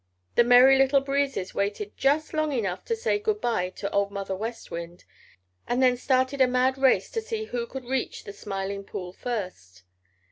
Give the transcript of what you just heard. The Merry Little Breezes waited just long enough to say "Good by" to Old Mother West Wind, and then started a mad race to see who could reach the Smiling Pool first.